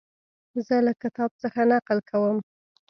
زه له کتاب څخه نقل کوم.